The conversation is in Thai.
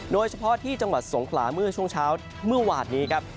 โดยเฉพาะที่จังหวัดสงขลาเมื่อช่วงเช้าเมื่อวานนี้ครับ